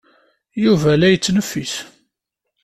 Yuba la yettneffis.